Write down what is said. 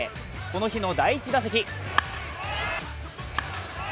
この日の第１打席。